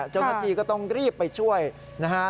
เจ้าหน้าที่ก็ต้องรีบไปช่วยนะฮะ